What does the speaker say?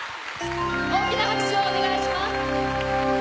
大きな拍手をお願いします。